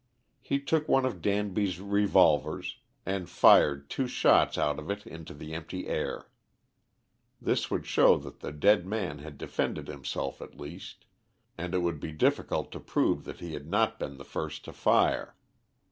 He took one of Danby's revolvers and fired two shots out of it into the empty air. This would show that the dead man had defended himself at least, and it would be difficult to prove that he had not been the first to fire.